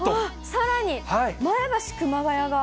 さらに、前橋、熊谷が。